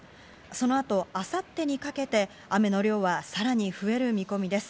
そのあと明後日にかけて雨の量はさらに増える見込みです。